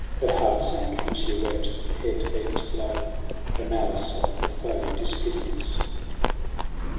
Her heart sank, and she wept with head bent low The malice of her foe dispiteous.